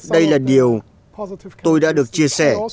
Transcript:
đây là điều tôi đã được chia sẻ